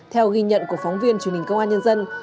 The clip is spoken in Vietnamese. theo ghi nhận của phóng viên truyền hình công an nhân dân